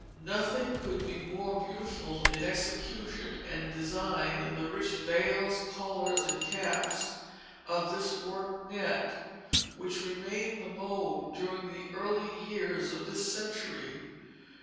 Nothing could be more beautiful in execution and design than the rich veils, collars, and caps of this worked net, which remained the mode during the early years of this century.